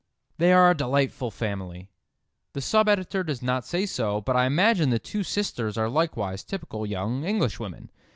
"They are a delightful family." The sub editor does not say so, but I imagine the two sisters are likewise typical young Englishwomen.